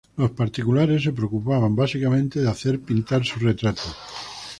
Los particulares se preocupaban básicamente de hacer pintar su retrato.